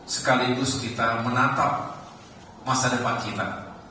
sekaligus kita menatap masa depan kita